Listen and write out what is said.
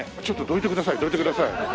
ちょっとどいてください。